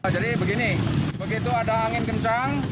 jadi begini begitu ada angin kencang